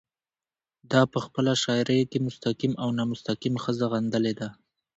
ده په خپله شاعرۍ کې مستقيم او نامستقيم ښځه غندلې ده